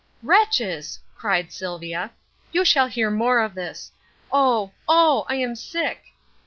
"Wretches!" cried Sylvia, "you shall hear more of this. Oh, oh! I am sick!"